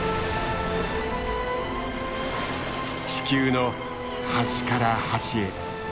地球の端から端へ。